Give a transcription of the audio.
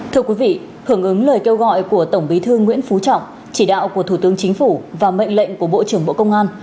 thưa quý vị hưởng ứng lời kêu gọi của tổng bí thư nguyễn phú trọng chỉ đạo của thủ tướng chính phủ và mệnh lệnh của bộ trưởng bộ công an